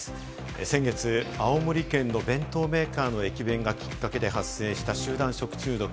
先月、青森県の弁当メーカーの駅弁がきっかけで発生した集団食中毒。